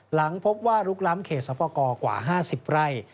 หลังพบว่าลุกล้ำเขตสอบประกอบกว่า๕๐ไร่